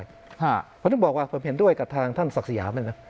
เพราะฉะนั้นบอกว่าผมเห็นด้วยกับทางท่านศักดิ์สยาม